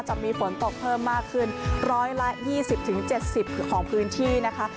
จะมีฝนตกเพิ่มมากขึ้น๑๒๐๗๐ของพื้นที่นะคะ